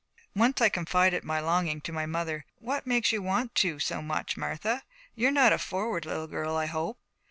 Once I confided my longing to my mother. 'What makes you want to so much, Martha? You're not a forward little girl, I hope.'